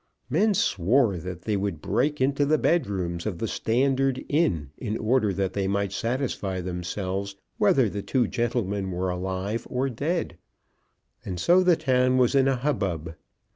Men swore that they would break into the bedrooms of the Standard Inn, in order that they might satisfy themselves whether the two gentlemen were alive or dead. And so the town was in a hubbub.